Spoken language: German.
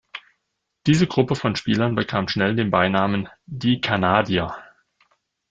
Diese Gruppe von Spielern bekam schnell den Beinamen „die Kanadier“.